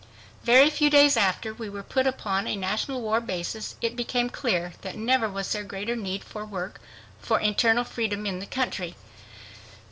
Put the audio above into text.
Very few days after we were put upon a national war basis it became clear that never was there greater need of work for internal freedom in the country.